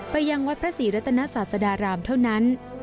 ยังวัดพระศรีรัตนศาสดารามเท่านั้น